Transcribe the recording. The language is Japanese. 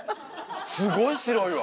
すごい白いわ！